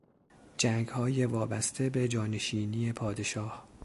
جنگهای وابسته به جانشینی پادشاه